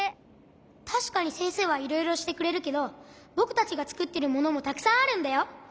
たしかにせんせいはいろいろしてくれるけどぼくたちがつくってるものもたくさんあるんだよ。